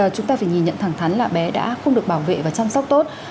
chúng ta phải nhìn nhận thẳng thắn là bé đã không được bảo vệ và chăm sóc tốt